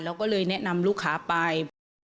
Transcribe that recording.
เราก็เลยแนะนำลูกค้าไป